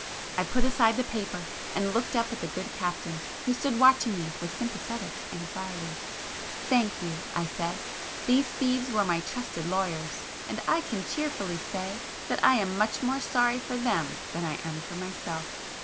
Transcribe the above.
I put aside the paper, and looked up at the good captain, who stood watching me with sympathetic anxiety. "Thank you!" I said—"These thieves were my trusted lawyers,—and I can cheerfully say that I am much more sorry for them than I am for myself.